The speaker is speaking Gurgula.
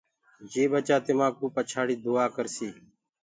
يي ٻچآ تمآنٚ ڪوُ پڇآڙيٚ دُئآ ڪرسيٚ